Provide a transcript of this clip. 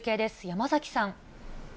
山崎さん。